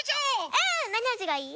うんなにあじがいい？